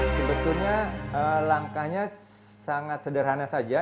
sebetulnya langkahnya sangat sederhana saja